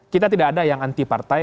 kita tidak ada yang anti partai